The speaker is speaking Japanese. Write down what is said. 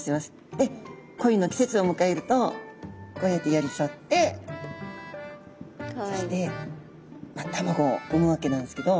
で恋の季節を迎えるとこうやって寄り添ってそして卵を産むわけなんですけど。